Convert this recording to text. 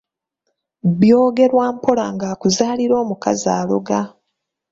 “Byogerwa mpola ng'akuzaalira omukazi aloga”